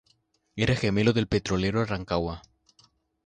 Era gemelo del petrolero Rancagua.